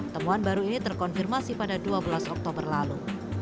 temuan baru ini terkonfirmasi pada dua belas oktober lalu